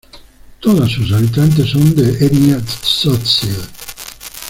Todos sus habitantes son de etnia tzotzil.